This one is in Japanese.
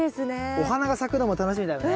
お花が咲くのも楽しみだよね。